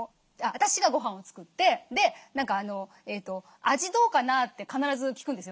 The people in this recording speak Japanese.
私がごはんを作って「味どうかな？」って必ず聞くんですよ。